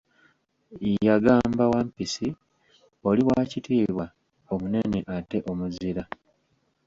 Yagamba Wampisi, oli wakitiibwa, omunene ate omuzira.